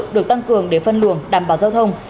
được tăng cường để phân luồng đảm bảo giao thông